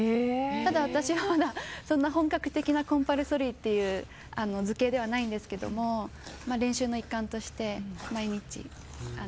ただ、私はまだ本格的なコンパルソリーの図形ではないんですけど練習の一環として毎日。